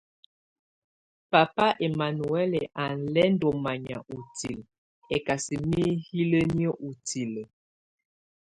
Papa ɛmanuhuɛlɛ á lɛ ndɔ manya utilǝ, ɛkasɛ mɛ hílǝ́nìǝ́ utilǝ́.